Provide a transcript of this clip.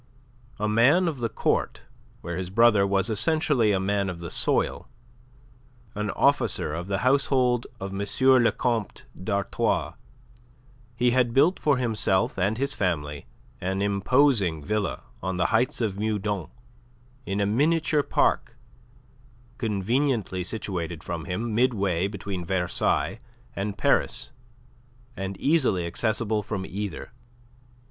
A man of the Court, where his brother was essentially a man of the soil, an officer of the household of M. le Comte d'Artois, he had built for himself and his family an imposing villa on the heights of Meudon in a miniature park, conveniently situated for him midway between Versailles and Paris, and easily accessible from either.